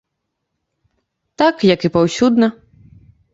Так як і паўсюдна.